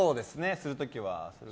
する時は。